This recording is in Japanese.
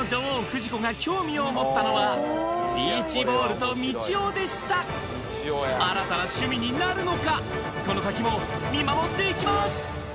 フジコが興味を持ったのはビーチボールとみちおでした新たな趣味になるのかこの先も見守っていきます